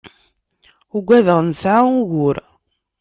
Ugadeɣ nesɛa ugur.